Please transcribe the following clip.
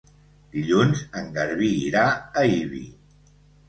Dilluns en Garbí irà a Ibi.